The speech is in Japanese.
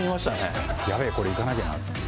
やべえ、これ行かなきゃなって。